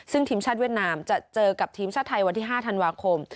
ซึ่งทีมชาติเวียดนามจะเจอกับทีมชาติไทยวันที่๕ธันวาคม